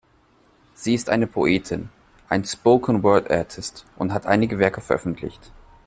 Sie ist eine Poetin, ein "Spoken Word Artist" und hat einige Werke veröffentlicht.